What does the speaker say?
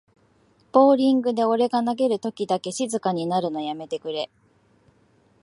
ボーリングで俺が投げるときだけ静かになるのやめてくれ